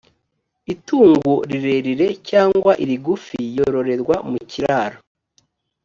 itungo rirerire cyangwa irigufi yororerwa mu kiraro,